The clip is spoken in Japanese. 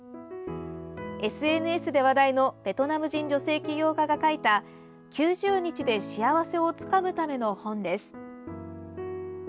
ＳＮＳで話題のベトナム人女性起業家が書いた９０日で幸せをつかむための本です。